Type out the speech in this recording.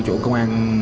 chỗ công an